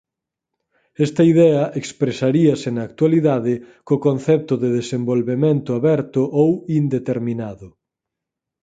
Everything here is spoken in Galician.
Esta idea expresaríase na actualidade co concepto de desenvolvemento aberto ou indeterminado.